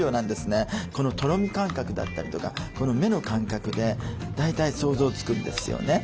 このとろみ感覚だったりとかこの目の感覚で大体想像つくんですよね。